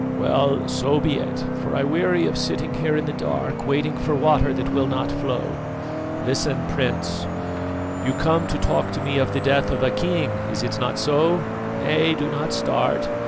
"Well, so be it; for I weary of sitting here in the dark waiting for water that will not flow. Listen, Prince; you come to talk to me of the death of a king is it not so? Nay do not start.